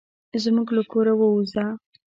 زموږ له کوره ووزه.